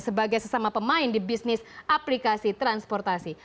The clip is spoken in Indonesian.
sebagai sesama pemain di bisnis aplikasi transportasi